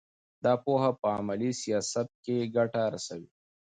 دا پوهه په عملي سیاست کې ګټه رسوي.